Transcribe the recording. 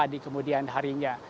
jadi kemudian harinya